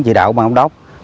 chỉ đạo bán ống đốc